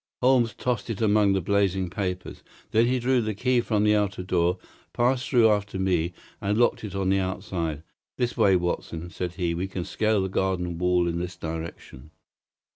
Holmes tossed it in among the blazing papers. Then he drew the key from the outer door, passed through after me, and locked it on the outside. "This way, Watson," said he; "we can scale the garden wall in this direction."